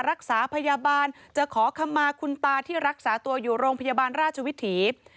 รักษาพยาบาลจะขอคำมาคุณตาที่รักษาตัวอยู่โรงพยาบาลราชวิถี